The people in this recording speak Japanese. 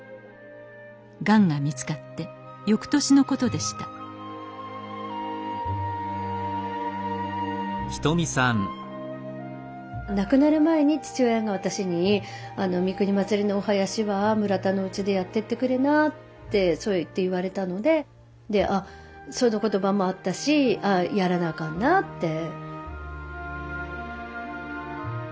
がんが見つかってよくとしのことでした亡くなる前に父親が私に「三国祭のお囃子は村田のうちでやってってくれな」ってそうやって言われたのででその言葉もあったし「ああやらなあかんな」って。